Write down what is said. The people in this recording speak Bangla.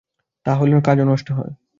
তা হলে কাজও নষ্ট হয়।